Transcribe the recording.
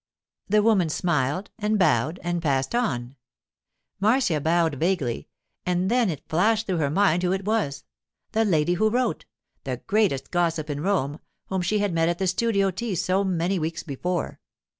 The woman smiled and bowed and passed on. Marcia bowed vaguely, and then it flashed through her mind who it was—the lady who wrote, the 'greatest gossip in Rome,' whom she had met at the studio tea so many weeks before.